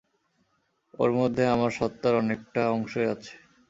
ওর মধ্যে আমার স্বত্বার অনেকটা অংশই আছে।